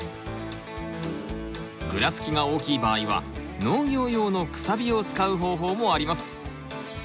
グラつきが大きい場合は農業用のくさびを使う方法もあります。